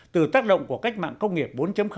từ tác động của cách mạng công nghiệp bốn